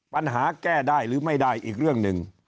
แก้ได้หรือไม่ได้อีกเรื่องหนึ่ง